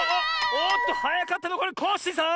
おっとはやかったのはこれコッシーさん！